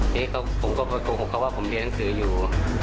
ทีนี้ผมก็โกหกเขาว่าผมเรียนหนังสืออยู่